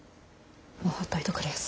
もうほっといとくれやす。